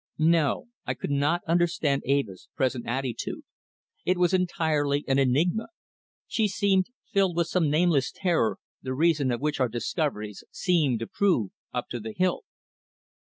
No, I could not understand Eva's present attitude. It was entirely an enigma. She seemed filled with some nameless terror, the reason of which our discoveries seemed to prove up to the hilt.